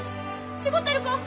違てるか？